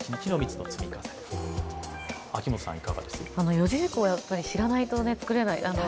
四字熟語は知らないと作れない。